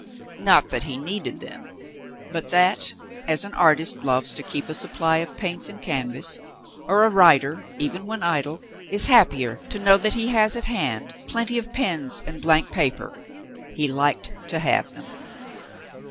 Not that he needed them, but that, as an artist loves to keep a supply of paints and canvas, or a writer — even when idle — is happier to know that he has at hand plenty of pens and blank paper, he liked to have them.